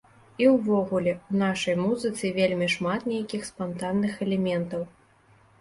І ўвогуле, у нашай музыцы вельмі шмат нейкіх спантанных элементаў.